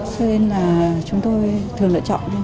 cho nên là chúng tôi thường lựa chọn